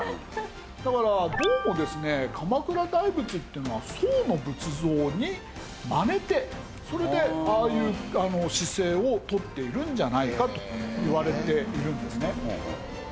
だからどうもですね鎌倉大仏っていうのは宋の仏像にマネてそれでああいう姿勢を取っているんじゃないかといわれているんですね。